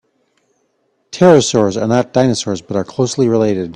Pterosaurs are not dinosaurs but are closely related.